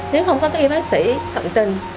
nếu không có các y bác sĩ tận tình